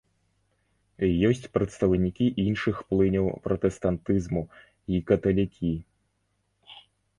Ёсць прадстаўнікі іншых плыняў пратэстантызму і каталікі.